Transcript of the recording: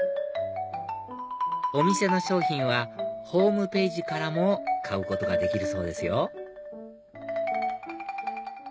お店の商品はホームページからも買うことができるそうですよ